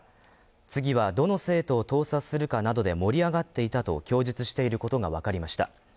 次はどの生徒を盗撮するかなどで盛り上がっていたと供述していることがわかりました。